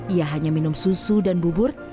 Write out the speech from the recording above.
ia hanya minum susu dan bubur